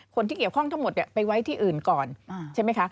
คนที่เกี่ยวข้องทั้งหมดไปไว้ที่อื่นก่อนใช่ไหมคะ